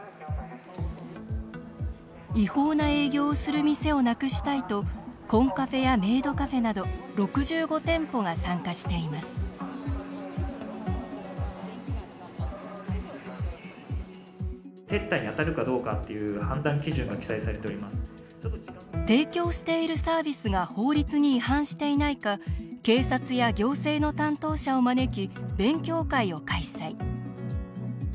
違法な営業をする店をなくしたいとコンカフェやメイドカフェなど６５店舗が参加しています提供しているサービスが法律に違反していないか警察や行政の担当者を招き勉強会を開催。